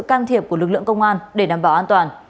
can thiệp của lực lượng công an để đảm bảo an toàn